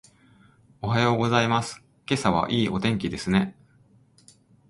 おはようございます。今朝はいいお天気ですね。